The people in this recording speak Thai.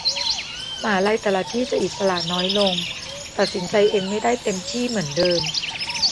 มหาลัยแต่ละที่จะอิสระน้อยลงตัดสินใจเองไม่ได้เต็มที่เหมือนเดิม